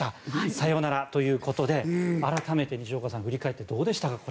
サヨナラということで改めて西岡さん振り返ってどうでしたか。